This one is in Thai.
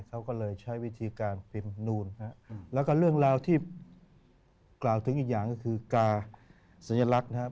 เขาก็เลยใช้วิธีการพิมพ์นูนนะครับแล้วก็เรื่องราวที่กล่าวถึงอีกอย่างก็คือกาสัญลักษณ์นะครับ